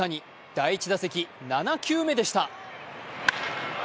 第１打席、７球目でした。